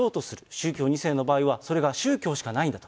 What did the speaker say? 宗教２世の場合は、それが宗教しかないんだ。